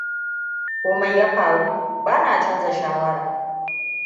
Komai ya faru, bana canza shawara.